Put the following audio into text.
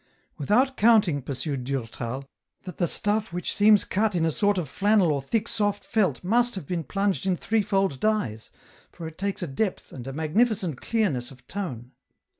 " Without counting," pursued Durtal, " that the stuff which seems cut in a sort of flannel or thick soft felt must have been plunged in threefold dyes, for it takes a depth, and a magnificent clearness of tone.